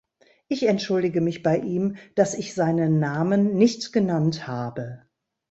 Ich entschuldige mich bei ihm, dass ich seinen Namen nicht genannt habe.